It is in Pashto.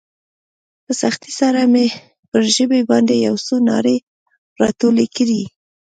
په سختۍ سره مې پر ژبې باندې يو څه ناړې راټولې کړې.